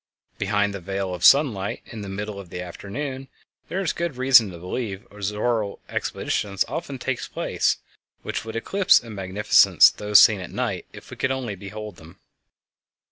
Behind the veil of sunlight in the middle of the afternoon, there is good reason to believe, auroral exhibitions often take place which would eclipse in magnificence those seen at night if we could behold them.